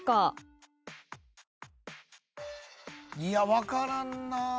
いや分からんな。